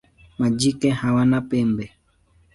Majike hawana pembe.